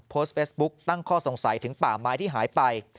โพสต์เฟซบุ๊คตั้งข้อสงสัยถึงป่าไม้ที่หายไป